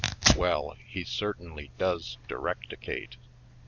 Well, he certainly does directicate.